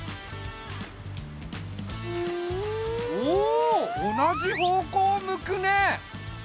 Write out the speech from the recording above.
おお同じ方向を向くね！